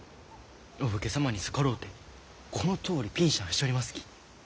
お武家様に逆ろうてこのとおりピンシャンしちょりますき。